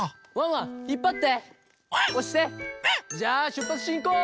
ワン！じゃあしゅっぱつしんこう！